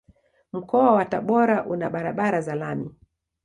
Mkoa wa Tabora una barabara za lami.